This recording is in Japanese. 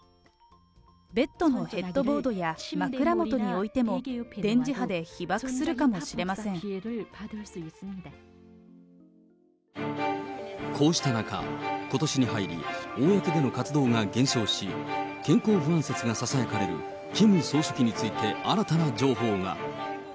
ベッドのヘッドボードや枕元に置いても、電磁波で被ばくするかもこうした中、ことしに入り、公での活動が減少し、健康不安説がささやかれるキム総書記について新たな情報が。